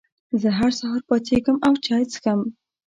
زه هر سهار پاڅېږم او چای څښم.